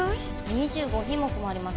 ２５品目もあります。